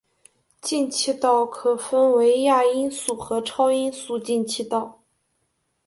进气道可分为亚音速和超音速进气道。